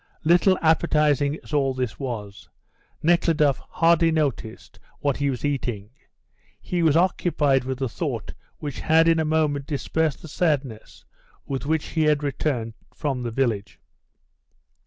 Little appetising as all this was, Nekhludoff hardly noticed what he was eating; he was occupied with the thought which had in a moment dispersed the sadness with which he had returned from the village.